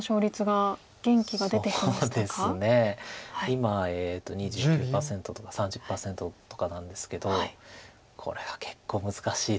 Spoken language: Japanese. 今２９％とか３０％とかなんですけどこれは結構難しいです。